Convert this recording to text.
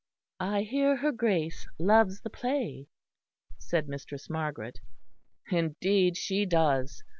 "I hear her Grace loves the play," said Mistress Margaret. "Indeed she does.